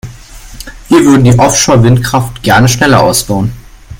Wir würden die Offshore-Windkraft gerne schneller ausbauen.